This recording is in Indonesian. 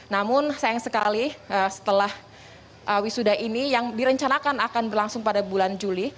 namun sayang sekali setelah wisuda ini yang direncanakan akan berlangsung pada bulan juli